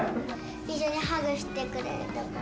一緒にハグしてくれるところ。